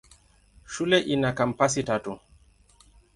Shule ina kampasi tatu.